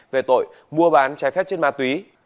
về tội mua bán trái phép trên ma túy